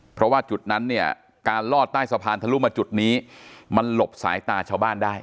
เพราะว่าจุดนั้นเนี่ยการลอดใต้สะพานทะลุมาจุดนี้มันหลบสายตาชาวบ้านได้